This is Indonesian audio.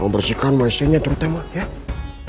bersihkan maizenya terutama ya